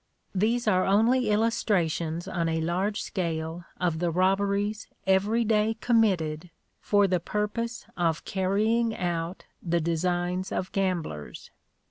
These are only illustrations on a large scale of the robberies every day committed for the purpose of carrying out the designs of gamblers.